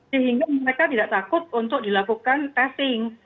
sehingga mereka tidak takut untuk dilakukan testing